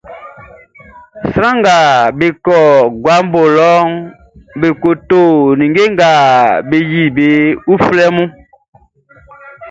Sran nga be fin klɔʼn su lɔʼn, be kɔ guabo lɔ be ko to ninnge nga be yili be uflɛuflɛʼn.